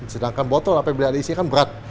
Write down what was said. sedangkan botol apabila ada isinya kan berat